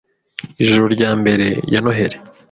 Ijoro rya mbere ya noheli